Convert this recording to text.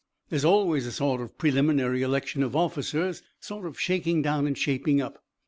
There's always a sort of preliminary election of officers; sort of shaking down and shaping up.